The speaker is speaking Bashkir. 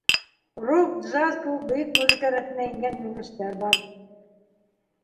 Рок, джаз кеүек бөйөк музыка рәтенә ингән йүнәлештәр бар.